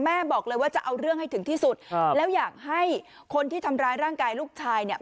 บอกเลยว่าจะเอาเรื่องให้ถึงที่สุดแล้วอยากให้คนที่ทำร้ายร่างกายลูกชายเนี่ย